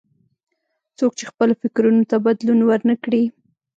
څوک چې خپلو فکرونو ته بدلون ور نه کړي.